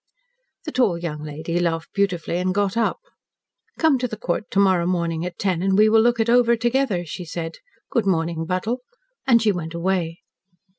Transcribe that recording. The tall young lady laughed beautifully and got up. "Come to the Court to morrow morning at ten, and we will look it over together," she said. "Good morning, Buttle." And she went away.